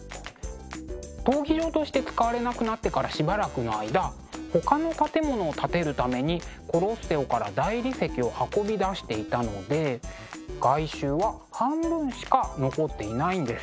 闘技場として使われなくなってからしばらくの間ほかの建物を建てるためにコロッセオから大理石を運び出していたので外周は半分しか残っていないんです。